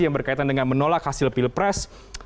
yang berkaitan dengan menolak hasil pilpres